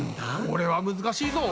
これは難しいぞ！